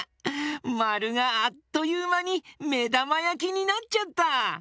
まるがあっというまにめだまやきになっちゃった！